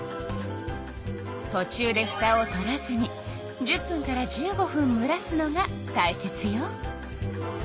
とちゅうでふたを取らずに１０分から１５分むらすのがたいせつよ。